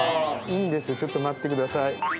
いいんです、ちょっと待ってください。